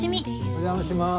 お邪魔します。